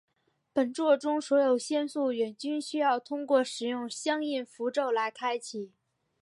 本作中所有仙术也均需要通过使用相应符咒来开启。